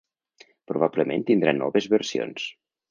Probablement tindrà noves versions.